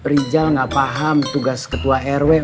rizal gak paham tugas ketua rw mak